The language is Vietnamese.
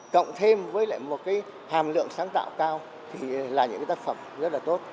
cộng thêm với lại một hàm lượng sáng tạo cao thì là những tác phẩm rất là tốt